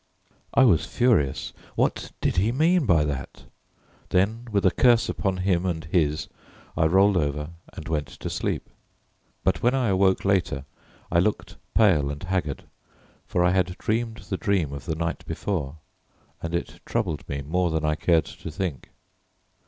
I was furious. What did he mean by that? Then with a curse upon him and his I rolled over and went to sleep, but when I awoke later I looked pale and haggard, for I had dreamed the dream of the night before, and it troubled me more than I cared to think.